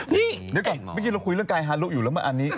เดี๋ยวก่อนแม่งกินเราคุยกายหารุกอยู่แล้วมันอันนี้